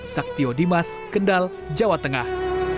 saktio dimas kendal jawa tengah